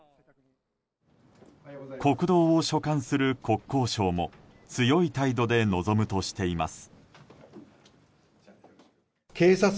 国道を所管する国交省も強い態度で臨むとしています。